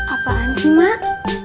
apaan sih mak